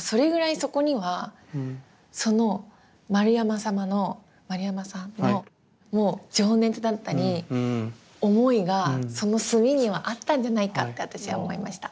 それぐらいそこにはその円山様の円山さんの情熱だったり思いがその墨にはあったんじゃないかって私は思いました。